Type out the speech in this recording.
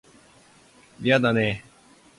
嫌だね